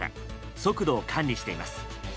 速度を管理しています。